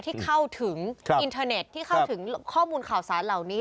ที่เข้าถึงอินเทอร์เน็ตที่เข้าถึงข้อมูลข่าวสารเหล่านี้